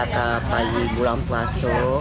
mereka akan payi bulan puasa